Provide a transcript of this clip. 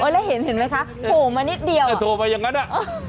แล้วเห็นเห็นไหมคะโผล่มานิดเดียวจะโทรมาอย่างนั้นอ่ะ